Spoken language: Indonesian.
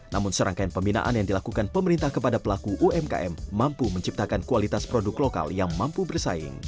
namun serangkaian pembinaan yang dilakukan pemerintah kepada pelaku umkm mampu menciptakan kualitas produk lokal yang mampu bersaing